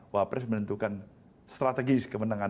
wapres menentukan strategis kemenangan